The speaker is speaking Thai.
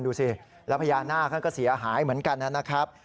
ดูสิแล้วพระยานนากเขาก็เสียหายเหมือนกันน่ะนะครับ